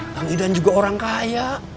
kang idan juga orang kaya